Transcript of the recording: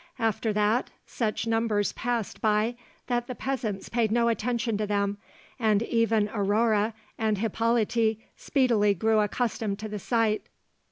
After that, such numbers passed by that the peasants paid no attention to them, and even Aurore and Hippolyte speedily grew accustomed to the sight.